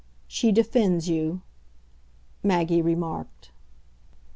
She defends you," Maggie remarked.